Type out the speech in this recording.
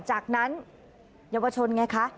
จากนั้นเยาวชนไงคะ